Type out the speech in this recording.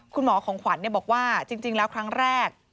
คุณหมอของขวัญบอกว่าจริงแล้วครั้งแรก